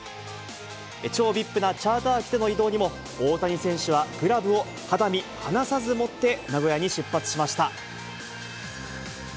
超ＶＩＰなチャーター機での移動にも、大谷選手はグラブを肌身離さず持って名古屋に出発しました。